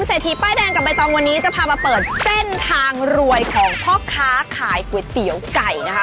เศรษฐีป้ายแดงกับใบตองวันนี้จะพามาเปิดเส้นทางรวยของพ่อค้าขายก๋วยเตี๋ยวไก่นะคะ